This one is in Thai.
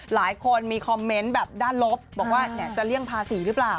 หลายคนมีคอมเมนต์แบบด้านลบบอกว่าจะเลี่ยงภาษีหรือเปล่า